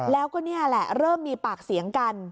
แล้วก็นี่แหละเริ่มมีปากเสียงกัน